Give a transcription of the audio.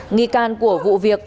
nghi can của vụ việc